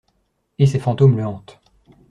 Et ses fantômes le hantent.